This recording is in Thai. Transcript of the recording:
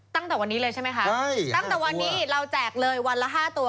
ตั้งแต่วันนี้เลยใช่ไหมคะใช่ตั้งแต่วันนี้เราแจกเลยวันละห้าตัว